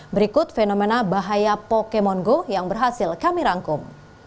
berikut fenomena bahaya pokemon go yang berhasil kami rangkum